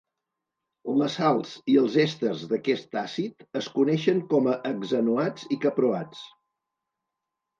Les sals i els èsters d'aquest àcid es coneixen com a hexanoats i caproats.